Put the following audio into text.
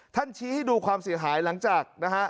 ท่านเช้าให้ดูความเสียหายหลังจาก